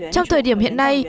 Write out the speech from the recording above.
trong thời điểm hiện nay